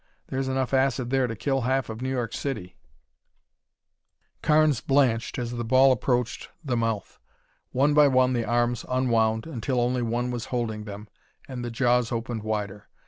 There's enough acid there to kill half New York City." Carnes blanched as the ball approached the mouth. One by one the arms unwound until only one was holding them and the jaws opened wider.